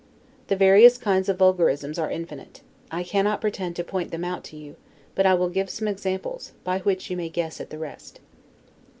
The various kinds of vulgarisms are infinite; I cannot pretend to point them out to you; but I will give some samples, by which you may guess at the rest.